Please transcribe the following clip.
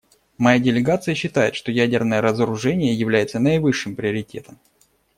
Моя делегация считает, что ядерное разоружение является наивысшим приоритетом.